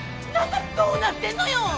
中どうなってんのよ？